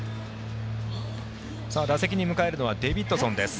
打席に迎えるのはデビッドソンです。